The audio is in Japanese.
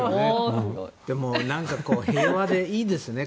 でも平和でいいですね。